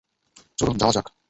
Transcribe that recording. চলুন যাওয়া যাক।